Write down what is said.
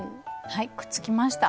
はいくっつきました。